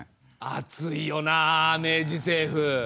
熱いよな明治政府。